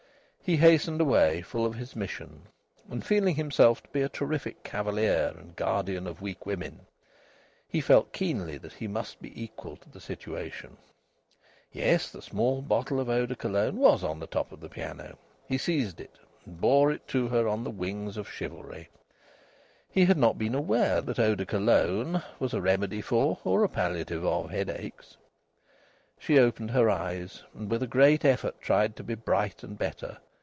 He hastened away, full of his mission, and feeling himself to be a terrific cavalier and guardian of weak women. He felt keenly that he must be equal to the situation. Yes, the small bottle of eau de Cologne was on the top of the piano. He seized it and bore it to her on the wings of chivalry. He had not been aware that eau de Cologne was a remedy for, or a palliative of, headaches. She opened her eyes, and with a great effort tried to be bright and better.